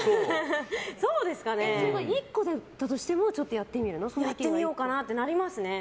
１個だとしてもやってみようかなってなりますね。